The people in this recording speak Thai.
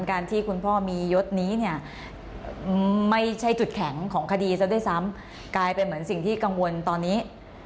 ที่คุณพ่อมียศนี้เนี่ยไม่ใช่จุดแข็งของคดีซะด้วยซ้ำกลายเป็นเหมือนสิ่งที่กังวลตอนนี้